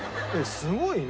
すごいな。